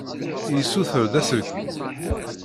Yessuter-d aselkim.